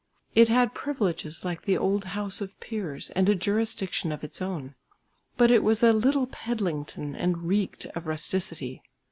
It had privileges like the old house of peers and a jurisdiction of its own; but it was a "little Pedlington" and reeked of rusticity.